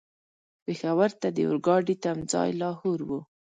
پېښور ته د اورګاډي تم ځای لاهور و.